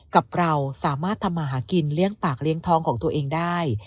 กับเราสามารถทำมาหากินเลี้ยงปากเลี้ยงท้องของตัวเองได้